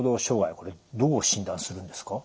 これどう診断するんですか？